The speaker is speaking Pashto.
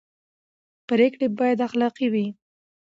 پرېکړې باید اخلاقي وي